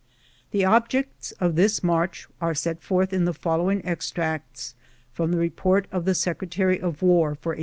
The objects of this march are set forth in the following extracts from the report of the Secretary of War for 1858.